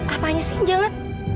apanya sih yang jangan